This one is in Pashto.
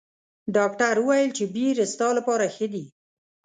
ډاکټر ویل چې بیر ستا لپاره ښه دي.